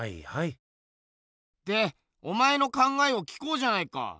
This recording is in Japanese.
でお前の考えを聞こうじゃないか。